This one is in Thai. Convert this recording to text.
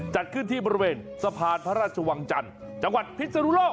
จัดขึ้นที่บริเวณสะพานภราชาวัญชันจังหวัดภิษฎุโลก